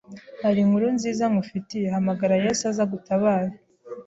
Hari inkuru nziza nkufitiye: hamagara Yesu aze agutabare,